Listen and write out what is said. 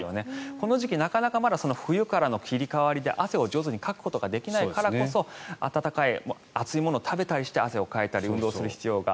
この時期、なかなか冬からの切り替わりで汗を上手にかくことができないからこそ温かい、熱いものを食べたりして汗をかいたり運動する必要が。